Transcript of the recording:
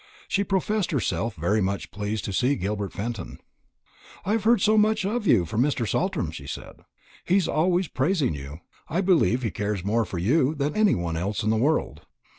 She professed herself very much pleased to see Gilbert Fenton. "I have heard so much of you from Mr. Saltram," she said. "He is always praising you. I believe he cares more for you than anyone else in the world."